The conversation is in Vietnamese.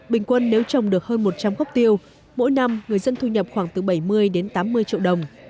bình quân nếu trồng được hơn một trăm linh gốc tiêu mỗi năm người dân thu nhập khoảng từ bảy mươi đến tám mươi triệu đồng